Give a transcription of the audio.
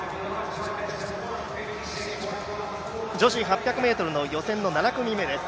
女子８００ｍ予選の７組目です。